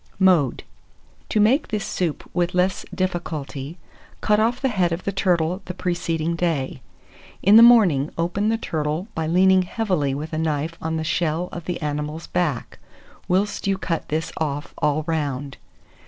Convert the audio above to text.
Mode. To make this soup with less difficulty, cut off the head of the turtle the preceding day. In the morning open the turtle by leaning heavily with a knife on the shell of the animal's back, whilst you cut this off all round.